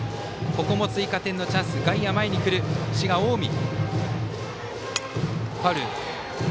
ここも追加点のチャンス外野が前に来ます、滋賀・近江。